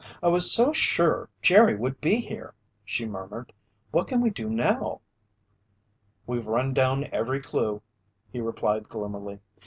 "I was so sure Jerry would be here," she murmured. "What can we do now?" "We've run down every clue," he replied gloomily.